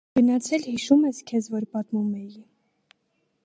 գնացել, հիշո՞ւմ ես, քեզ որ պատմում էի: